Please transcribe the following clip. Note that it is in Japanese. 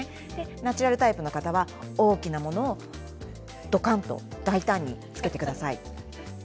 ナチュラルタイプの方は大きなものをどかんと大胆につけてください。